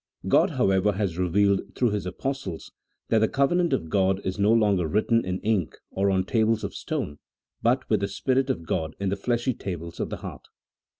God, however, has revealed through his Apostles that the covenant of God is no longer written in ink, or on tables of stone, but with the Spirit of God in the fleshy tables of the heart.